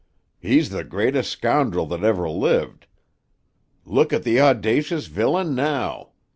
"He's the greatest scoundrel that ever lived. Look at the audacious villain now!